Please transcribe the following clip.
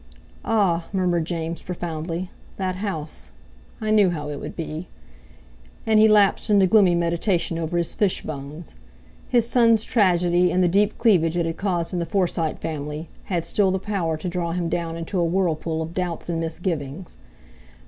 "Ah!" murmured James profoundly. "That house—I knew how it would be!" And he lapsed into gloomy meditation over his fish bones. His son's tragedy, and the deep cleavage it had caused in the Forsyte family, had still the power to draw him down into a whirlpool of doubts and misgivings.